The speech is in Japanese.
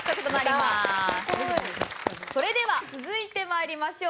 それでは続いて参りましょう。